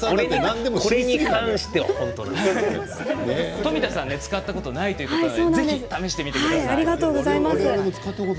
富田さんが使ったことがないということでぜひ試してみてください。